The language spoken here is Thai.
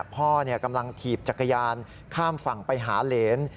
พ่อกำลังถีบจักรยานข้ามฝั่งไปหาเหรน